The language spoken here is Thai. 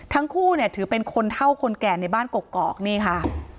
ทั้งคู่เนี่ยถือเป็นคนเท่าคนแก่ในบ้านกกอกนี่ค่ะ